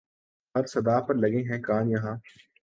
ہر صدا پر لگے ہیں کان یہاں